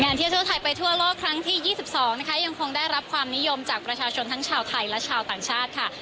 เที่ยวทั่วไทยไปทั่วโลกครั้งที่๒๒นะคะยังคงได้รับความนิยมจากประชาชนทั้งชาวไทยและชาวต่างชาติค่ะ